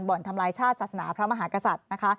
ทำลายชาติศาสนาพระมหากษัตริย์นะคะ